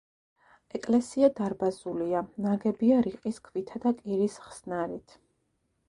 ეკლესია დარბაზულია, ნაგებია რიყის ქვითა და კირის ხსნარით.